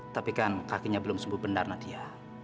tapi kan kakinya belum sembuh benar nadia